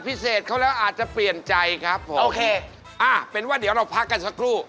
พิเศษครั้งนั้นอาจจะเปลี่ยนใจครับผมเป็นว่าเดี๋ยวเราพักกันสักครู่